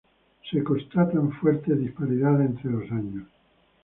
Se constatan fuertes disparidades entre los años.